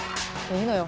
いいのよ。